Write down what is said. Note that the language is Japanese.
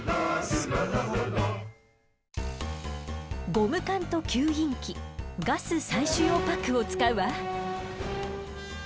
ゴム管と吸引器ガス採取用パックを使うわ。